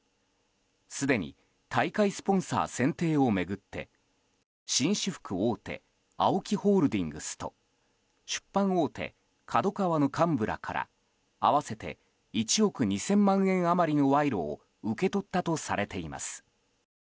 すでに大会スポンサー選定を巡って紳士服大手ＡＯＫＩホールディングスと出版大手ＫＡＤＯＫＡＷＡの幹部らから合わせて１億２０００万円余りの賄賂を受け取ったとされています。